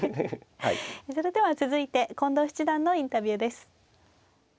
それでは続いて近藤七段のインタビューです。